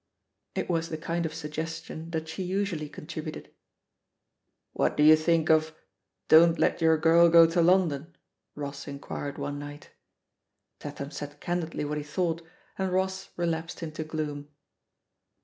" It was the kind of suggestion that she usually con tributed. "What do you think of 'Don't Let Your Girl Go to London'?" Ross inquired one night. Tatham said candidly what he thought, and Ross relapsed into gloom.